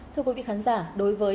lên tới nhiều người